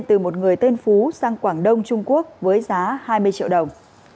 từ một người tên phú sang quảng đông trung quốc với giá hai mươi triệu đồng